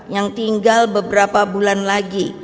yang tinggal beberapa bulan lagi